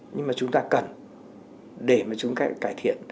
nhưng mà chúng ta cần để mà chúng ta cải thiện